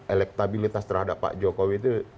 elektabilitas terhadap pak jokowi itu